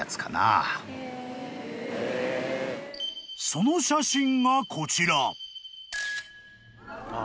［その写真がこちら］